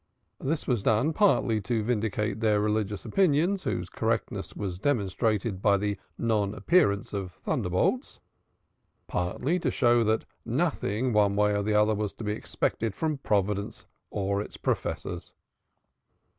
This was done partly to vindicate their religious opinions whose correctness was demonstrated by the non appearance of thunderbolts, partly to show that nothing one way or the other was to be expected from Providence or its professors.